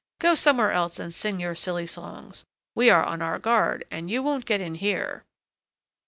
Go somewhere else and sing your silly songs; we are on our guard, and you won't get in here.